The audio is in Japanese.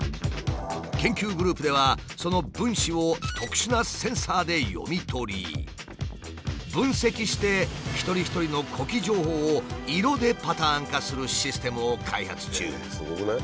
研究グループではその分子を特殊なセンサーで読み取り分析して一人一人の呼気情報を色でパターン化するシステムを開発中。